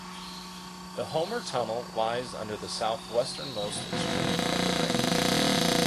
The Homer Tunnel lies under the southwesternmost extreme of the range.